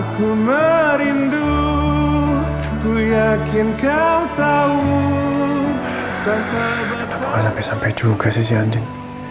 kenapa gak sampai sampai juga sih andien